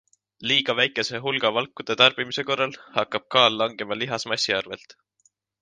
Liiga väikese hulga valkude tarbimise korral hakkab kaal langema lihasmassi arvelt.